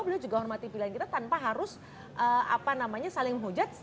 beliau juga hormati pilihan kita tanpa harus saling hujat